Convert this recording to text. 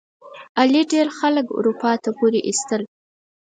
علي ډېر خلک اروپا ته پورې ایستل.